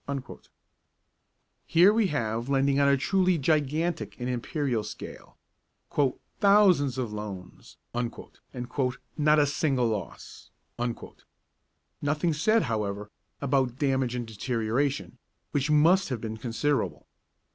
Here we have lending on a truly gigantic and imperial scale, 'thousands of loans' and 'not a single loss': nothing is said, however, about damage and deterioration, which must have been considerable.